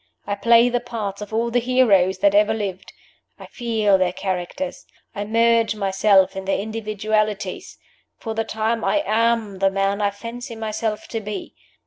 I play the parts of all the heroes that ever lived. I feel their characters. I merge myself in their individualities. For the time I am the man I fancy myself to be.